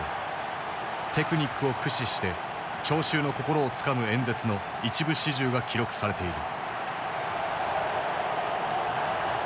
テクニックを駆使して聴衆の心をつかむ演説の一部始終が記録されている。